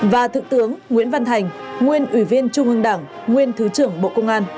và thượng tướng nguyễn văn thành nguyên ủy viên trung ương đảng nguyên thứ trưởng bộ công an